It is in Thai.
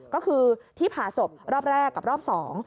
ก็คือที่ผ่าศพรอบแรกกับรอบสอง